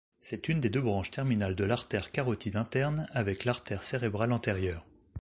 C'est une des deux branches terminales de l'artère carotide interne avec l'artère cérébrale antérieure.